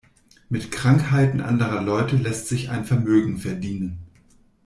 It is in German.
Mit Krankheiten anderer Leute lässt sich ein Vermögen verdienen.